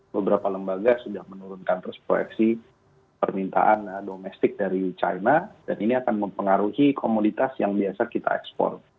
beberapa lembaga sudah menurunkan respeksi permintaan domestik dari china dan ini akan mempengaruhi komoditas yang biasa kita ekspor